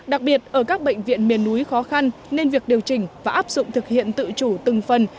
đặc biệt ở các bệnh viện miền núi khó khăn nên việc điều chỉnh và áp dụng thực hiện tự chủ từng phần